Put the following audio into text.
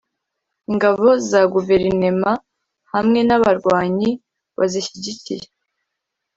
Ingabo za guverinema hamwe n’abarwanyi bazishyigikiye